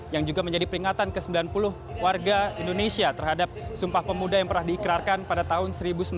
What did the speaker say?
yang juga menjadi peringatan ke sembilan puluh warga indonesia terhadap sumpah pemuda yang pernah diikrarkan pada tahun seribu sembilan ratus sembilan puluh